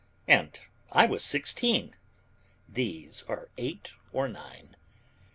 And I was sixteen; these are eight, or nine.